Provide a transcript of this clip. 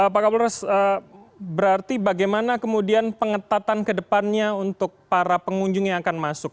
pak kapolores berarti bagaimana kemudian pengetatan kedepannya untuk para pengunjung yang akan masuk